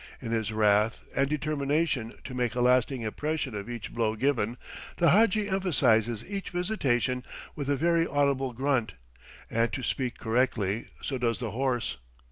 In his wrath and determination to make a lasting impression of each blow given, the hadji emphasizes each visitation with a very audible grunt; and, to speak correctly, so does the horse.